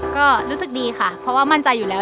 ก็รู้สึกดีค่ะเพราะว่ามั่นใจอยู่แล้ว